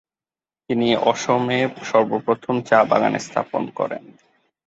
তিনি অসমে সর্বপ্রথম চা-বাগান স্থাপন করেন।